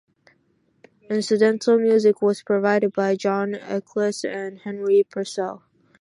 Incidental music was provided by John Eccles and Henry Purcell.